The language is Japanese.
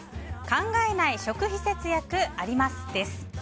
考えない食費節約あります！です。